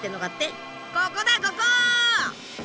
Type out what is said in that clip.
ここだここ！